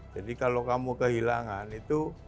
jadi kalau kamu kehilangan itu